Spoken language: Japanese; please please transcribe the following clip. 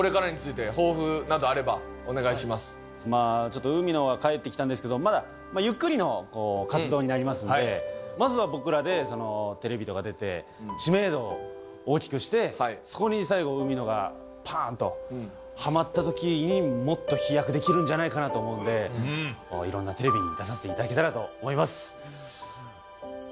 まあちょっと海野が帰ってきたんですけどまだゆっくりの活動になりますのでまずは僕らでテレビとか出て知名度を大きくしてそこに最後海野がパーンとはまった時にもっと飛躍できるんじゃないかなと思うんで色んなテレビに出させて頂けたらと思います。